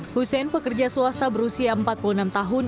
hussein pekerja swasta berusia empat puluh enam tahun